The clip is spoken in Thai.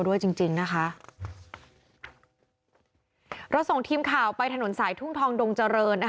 จริงจริงนะคะเราส่งทีมข่าวไปถนนสายทุ่งทองดงเจริญ